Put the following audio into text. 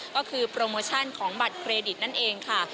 ก็คือโปรโมชั่นของบัตรเครดิตนั่นเองค่ะ